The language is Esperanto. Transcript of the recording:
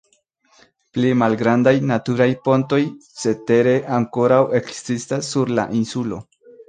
Pli malgrandaj naturaj pontoj cetere ankoraŭ ekzistas sur la insulo.